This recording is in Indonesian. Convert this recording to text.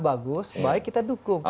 bagus baik kita dukung